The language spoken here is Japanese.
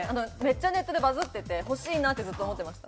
ネットでバズっててほしいなって、ずっと思ってました。